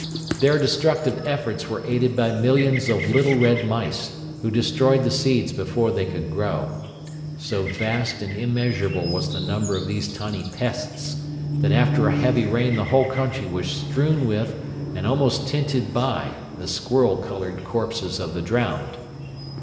] Their destructive efforts were aided by millions of little red mice, who destroyed the seeds before they could grow. So vast and immeasurable was the number of these tiny pests that after a heavy rain the whole country was strewn with, and almost tinted by, the squirrel coloured corpses of the drowned.